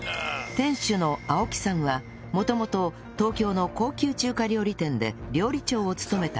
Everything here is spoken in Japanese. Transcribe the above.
店主の青木さんは元々東京の高級中華料理店で料理長を務めた実力派